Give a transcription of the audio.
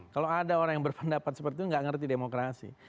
kalau ada orang yang berpendapat seperti itu nggak ngerti demokrasi